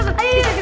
satu dua tiga